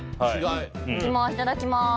いただきます